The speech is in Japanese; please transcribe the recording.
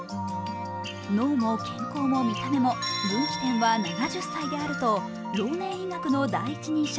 脳も健康も見た目も分岐点は７０歳であると老年医学の第一人者